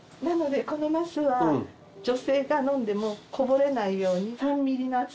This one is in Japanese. なのでこの升は女性が飲んでもこぼれないように。